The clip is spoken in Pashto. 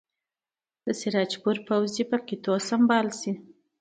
د سراج پور پوځ دې په قطعو سمبال شي.